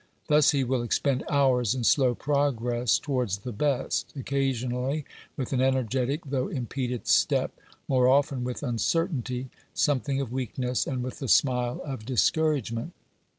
Thus he will expend hours in slow progress towards the best, occasionally with an energetic though impeded step, more often with uncertainty, something of weakness, and with the smile of discourage ment.